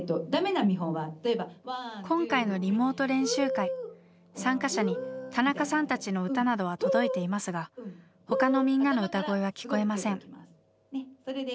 今回のリモート練習会参加者に田中さんたちの歌などは届いていますがほかのみんなの歌声は聴こえません。